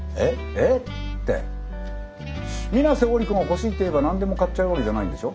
「えっ？」って皆瀬織子が欲しいと言えば何でも買っちゃうわけじゃないんでしょ？